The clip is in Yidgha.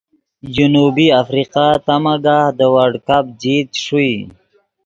جنوبی آفریقہ تا مگاہ دے ورلڈ کپ جیت چے ݰوئی